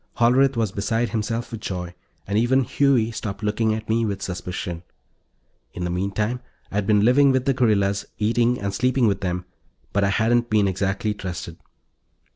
Hollerith was beside himself with joy, and even Huey stopped looking at me with suspicion. In the meantime, I'd been living with the guerrillas, eating and sleeping with them, but I hadn't been exactly trusted.